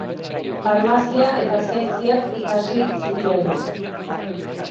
Farmazia eta zientziak ikasi zituen.